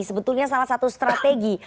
sebetulnya salah satu strategi